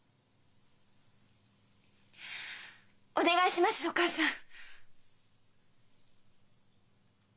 お願いしますお母さん！